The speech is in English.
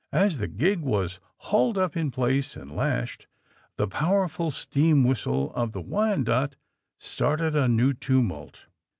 As the gig was hauled up in place and lashed the powerful steam whistle of the ^^Wyanoke'^ started a new tumult.